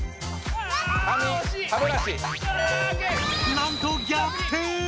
なんと逆転！